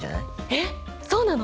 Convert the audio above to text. えっそうなの！？